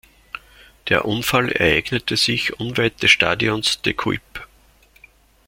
Der Unfall ereignete sich unweit des Stadions De Kuip.